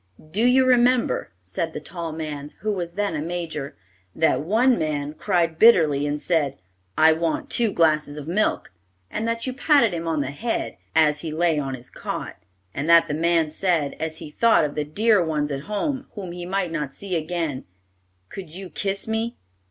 "Do you remember," said the tall man, who was then a major, "that one man cried bitterly and said, 'I want two glasses of milk,' and that you patted him on the head, as he lay on his cot? And that the man said, as he thought of the dear ones at home, whom he might not see again, 'Could you kiss me?'